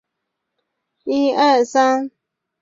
丘行恭之子。